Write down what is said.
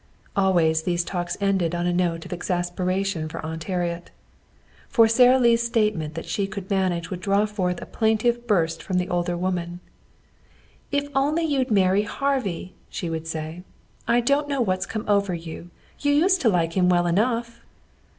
Always these talks ended on a note of exasperation for Aunt Harriet. For Sara Lee's statement that she could manage would draw forth a plaintive burst from the older woman. "If only you'd marry Harvey," she would say. "I don't know what's come over you. You used to like him well enough."